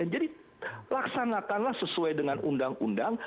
jadi laksanakanlah sesuai dengan undang undang